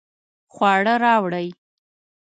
خواړه راوړئ